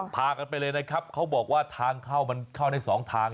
พากันไปเลยนะครับเขาบอกว่าทางเข้ามันเข้าได้สองทาง